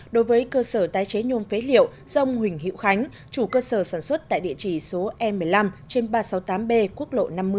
đối với cơ sở tái chế nhôm phế liệu do ông huỳnh hiệu khánh chủ cơ sở sản xuất tại địa chỉ số e một mươi năm trên ba trăm sáu mươi tám b quốc lộ năm mươi